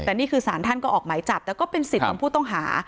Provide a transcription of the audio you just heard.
แต่นี่คือสารท่านก็ออกหมายจับแต่ก็เป็นสิทธิ์ของผู้ต้องหา